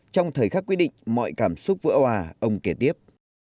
trong thời khắc quy định mọi cảm xúc vỡ hòa ông kể tiếp